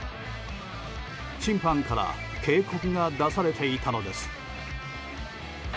審判から警告が出されていたのです。